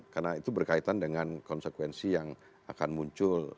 karena itu berkaitan dengan konsekuensi yang akan muncul